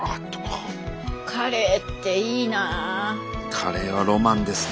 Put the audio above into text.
カレーはロマンですね。